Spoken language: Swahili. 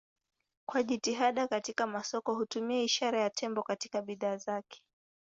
Kwa jitihada katika masoko hutumia ishara ya tembo katika bidhaa zake.